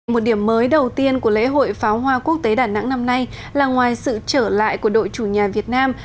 một điểm mới đầu tiên của lễ hội pháo hoa quốc tế đà nẵng năm nay là ngoài sự trở lại của đội chủ nhà việt nam